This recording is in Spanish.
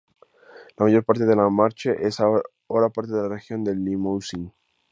La mayor parte de la Marche es ahora parte de la región de Limousin.